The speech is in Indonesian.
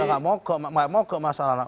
tidak mogok masalahnya